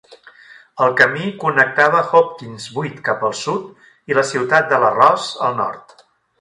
El camí connectava Hopkins buit cap al sud i la ciutat de l'arròs al nord.